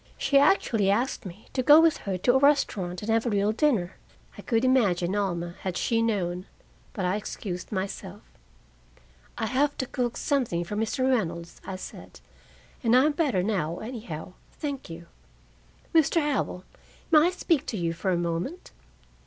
She actually asked me to go with her to a restaurant and have a real dinner. I could imagine Alma, had she known! But I excused myself. "I have to cook something for Mr. Reynolds," I said, "and I'm better now, anyhow, thank you. Mr. Howell, may I speak to you for a moment?"